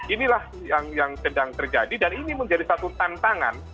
inilah yang sedang terjadi dan ini menjadi satu tantangan